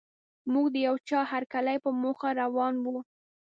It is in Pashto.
موږ د یوه چا هرکلي په موخه روان وو.